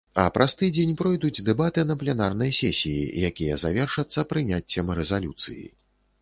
А праз тыдзень пройдуць дэбаты на пленарнай сесіі, якія завершацца прыняццем рэзалюцыі.